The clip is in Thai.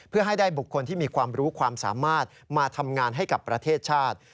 เพื่อให้ได้บุคคลที่มีความรู้ความสามารถมาทำงานให้กับประเทศชาติ